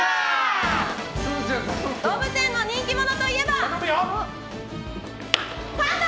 動物園の人気者といえばパンダ！